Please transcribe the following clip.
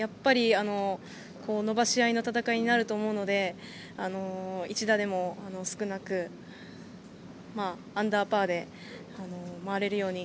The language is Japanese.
伸ばし合いの戦いになると思うので１打でも少なくアンダーパーで回れるように。